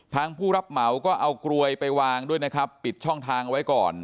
ผู้รับเหมาก็เอากลวยไปวางด้วยนะครับปิดช่องทางไว้ก่อน